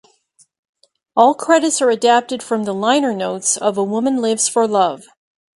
All credits are adapted from the liner notes of "A Woman Lives for Love".